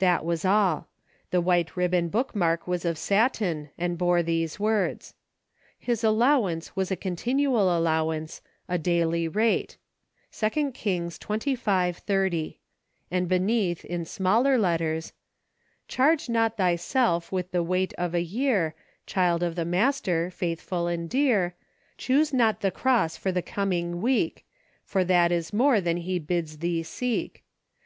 That was all. The white ribbon bookmark was of satin and bore these words :" His allowance was a continual allowance ... a daily rate. 2 Kings xxv. 30," and beneath in smaller letters :'' Charge not thyself with the weight of a year, Child of the Master, faithful and dear. Choose not the cross for the coming week. For that is more than he bids thee seek.